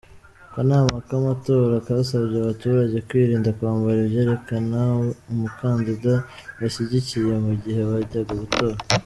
Akanama k'amatora kasabye abaturage kwirinda kwambara ibyerekana umukandida bashyigikiye mu gihe bajyaga gutora.